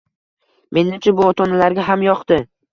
Menimcha, bu ota -onalarga ham yoqdi